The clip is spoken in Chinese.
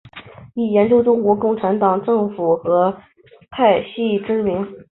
以研究中国共产党政治和派系知名。